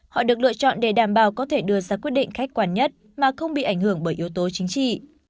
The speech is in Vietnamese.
họ được lựa chọn để đảm bảo có thể đưa ra quyết định khách quan nhất mà không bị ảnh hưởng bởi yếu tố chính trị